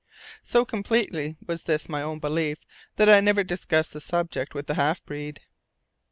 So completely was this my own belief that I never discussed the subject with the half breed.